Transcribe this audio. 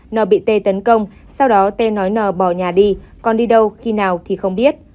n bị t tấn công sau đó t nói n bỏ nhà đi còn đi đâu khi nào thì không biết